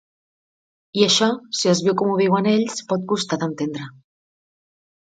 I això, si es viu com ho viuen ells, pot costar d'entendre.